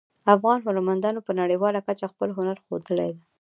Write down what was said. افغان هنرمندانو په نړیواله کچه خپل هنر ښودلی ده